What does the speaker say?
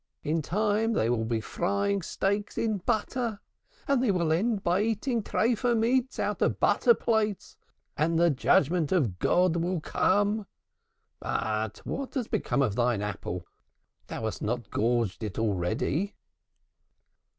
In time they will be frying steaks in butter, and they will end by eating tripha meat out of butter plates, and the judgment of God will come. But what is become of thine apple? Thou hast not gorged it already?"